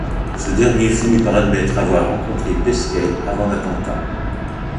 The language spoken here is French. Ce dernier finit par admettre avoir rencontré Pesquet avant l'attentat.